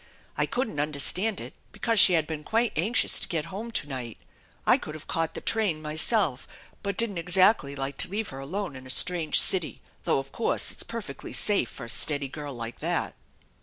I couldn't understand it because she had been quite anxious to get home to night. I could have caught the train myself, but didn't exactly like to leave her alone in a strange city, though, of course, it's per fectly safe for a steady girl like that.